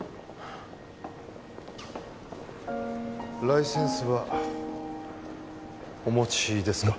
ライセンスはお持ちですか？